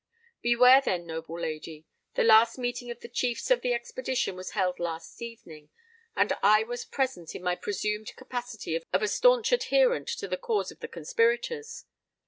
"Beware, then, noble lady! The last meeting of the Chiefs of the expedition was held last evening; and I was present in my presumed capacity of a stanch adherent to the cause of the conspirators.